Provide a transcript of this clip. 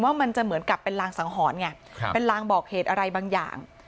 มันจะเหมือนกับเป็นรางสังหรณ์ไงเป็นลางบอกเหตุอะไรบางอย่าง